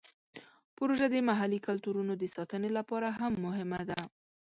پروژه د محلي کلتورونو د ساتنې لپاره هم مهمه ده.